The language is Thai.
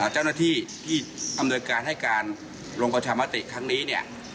เจ้าหน้าที่ที่อำนวยการให้การลงประชามติครั้งนี้เนี่ย